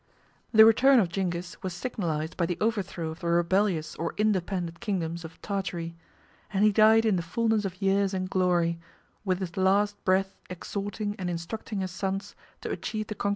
The return of Zingis was signalized by the overthrow of the rebellious or independent kingdoms of Tartary; and he died in the fulness of years and glory, with his last breath exhorting and instructing his sons to achieve the conquest of the Chinese empire.